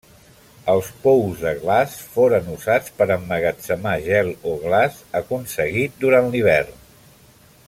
Els pous de glaç foren usats per emmagatzemar gel o glaç aconseguit durant l'hivern.